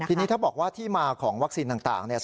ที่นี่เขาบอกว่าที่มาของวัคซีนต่าง